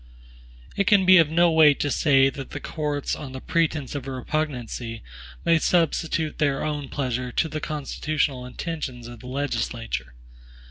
It can be of no weight to say that the courts, on the pretense of a repugnancy, may substitute their own pleasure to the constitutional intentions of the legislature.